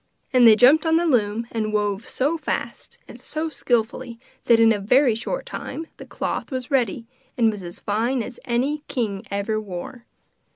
And they jumped on the loom, and wove so fast and so skilfully that in a very short time the cloth was ready and was as fine as any king ever wore.